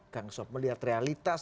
kang sob melihat realitas